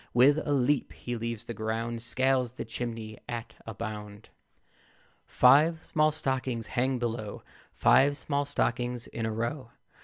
With a leap he leaves the ground, Scales the chimney at a bound. Five small stockings hang below; Five small stockings in a row.